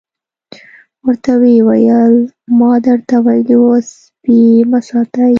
ورته ویې ویل ما درته ویلي وو سپي مه ساتئ.